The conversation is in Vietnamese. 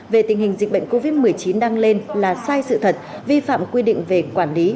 về tình hình dịch bệnh covid một mươi chín đang lên là sai sự thật vi phạm quy định về quản lý